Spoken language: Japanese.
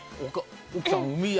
奥さん、海や！